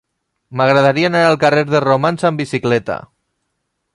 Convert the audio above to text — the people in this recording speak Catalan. M'agradaria anar al carrer de Romans amb bicicleta.